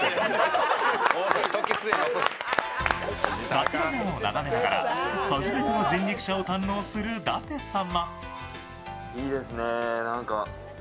桂川を眺めながら初めての人力車を堪能する舘様。